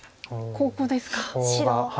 ここですか。